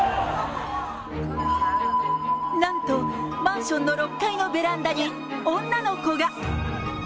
なんとマンションの６階のベランダに女の子が。